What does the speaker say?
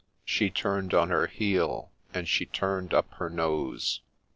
She turn'd on her heel and she turn'd up her nose.